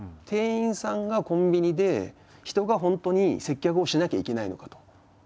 店員さんがコンビニで人が本当に接客をしなきゃいけないのかと。